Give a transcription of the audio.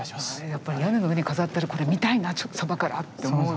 やっぱり屋根の上に飾ってあるこれ見たいなそばからって思う。